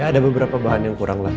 ada beberapa bahan yang kurang lah